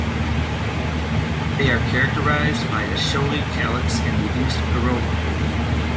They are characterized by a showy calyx and reduced corolla.